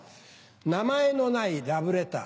名前のないラブレター。